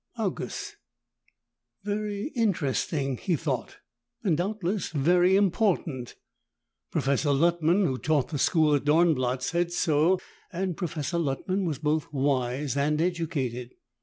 Augeas_ " Very interesting, he thought, and doubtless very important. Professor Luttman, who taught the school at Dornblatt, said so, and Professor Luttman was both wise and educated.